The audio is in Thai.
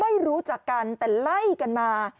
ไม่รู้จักกันแต่ไล่กันมา